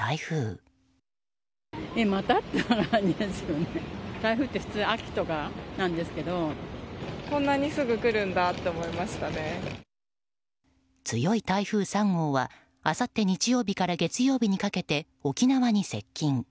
強い台風３号はあさって日曜日から月曜日にかけて沖縄に接近。